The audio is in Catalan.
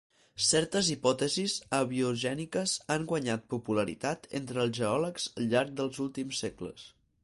Certes hipòtesis abiogèniques han guanyat popularitat entre els geòlegs al llarg dels últims segles.